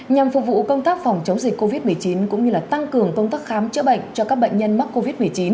nhằm phục vụ công tác phòng chống dịch covid một mươi chín cũng như tăng cường công tác khám chữa bệnh cho các bệnh nhân mắc covid một mươi chín